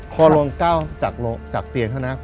พอลงก้าวจากเตียงเท่านั้น